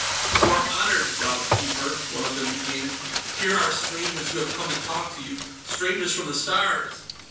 "You are honored, Raud Keeper," one of them began. "Here are strangers who have come to talk to you. Strangers from the Stars!"